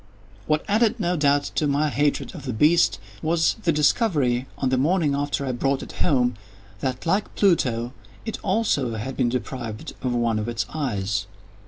What added, no doubt, to my hatred of the beast, was the discovery, on the morning after I brought it home, that, like Pluto, it also had been deprived of one of its eyes.